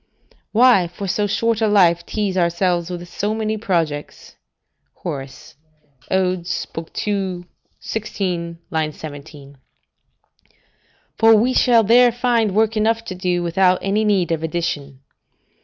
["Why for so short a life tease ourselves with so many projects?" Hor., Od., ii. 16, 17.] for we shall there find work enough to do, without any need of addition.